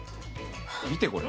見てこれ。